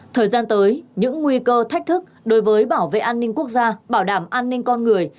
thời gian tới những nguy cơ thách thức đối với bảo vệ an ninh quốc gia bảo đảm an ninh con người